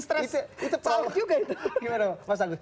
stress itu salah juga itu